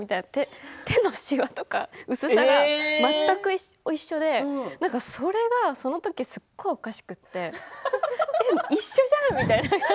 手の薄さとか、しわが全く一緒でそれがその時すごくおかしくて一緒じゃんみたいな。